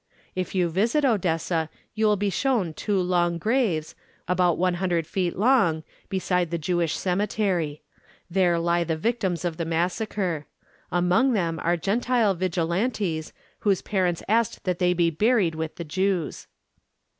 If you visit Odessa, you will be shown two long graves, about one hundred feet long, beside the Jewish Cemetery. There lie the victims of the massacre. Among them are Gentile Vigilantes whose parents asked that they be buried with the Jews....